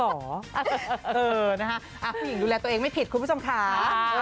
เออนะคะผู้หญิงดูแลตัวเองไม่ผิดคุณผู้ชมขา